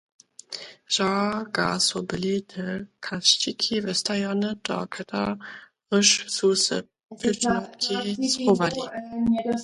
Źo ga su byli te kašćiki wótstajone, do kótarychž su se pyšnotki schowali?